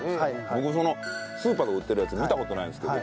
僕スーパーで売ってるやつ見た事ないんですけど。